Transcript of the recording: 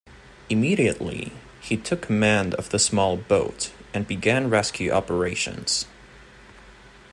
Immediately, he took command of the small boat, and began rescue operations.